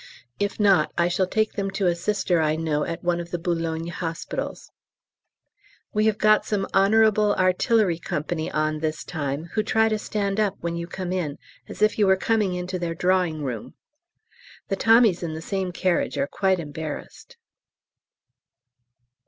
If not, I shall take them to a Sister I know at one of the B. hospitals. We have got some H.A.C. on this time, who try to stand up when you come in, as if you were coming into their drawing room. The Tommies in the same carriage are quite embarrassed.